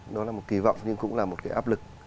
đó là một kỳ vọng nhưng cũng là một cái áp lực